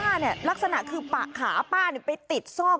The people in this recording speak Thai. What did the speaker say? ป้าเนี้ยลักษณะคือป่าขาป้าเนี้ยไปติดซ่อม